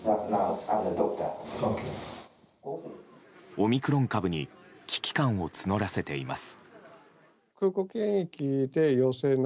オミクロン株に危機感を募らせています。